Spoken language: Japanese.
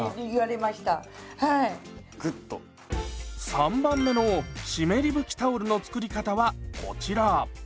３番目の湿り拭きタオルの作り方はこちら。